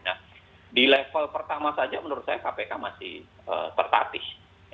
nah di level pertama saja menurut saya kpk masih tertatih